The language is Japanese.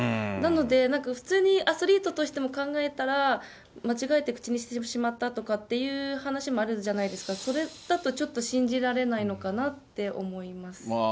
なので、なんか普通にアスリートとしても考えたら、間違えて口にしてしまったという話もあるじゃないですか、それだとちょっと信じられないのかなって思います。